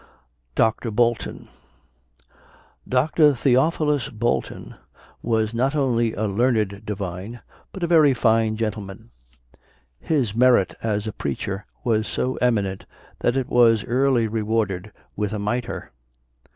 DR. BOLTON. Dr. Theophilus Bolton was not only a learned divine, but a very fine gentleman. His merit as a preacher was so eminent that it was early rewarded with a mitre.